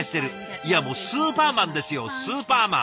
いやもうスーパーマンですよスーパーマン！